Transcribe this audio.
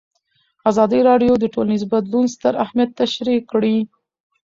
ازادي راډیو د ټولنیز بدلون ستر اهميت تشریح کړی.